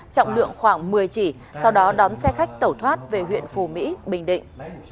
trọng lượng khoảng một mươi chỉ sau đó đón xe khách tẩu thoát về huyện phù mỹ bình định